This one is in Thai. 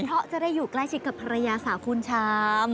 เพราะจะได้อยู่ใกล้ชิดกับภรรยาสาวคุณชาม